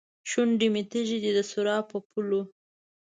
شونډې مې تږې ، دسراب په پولو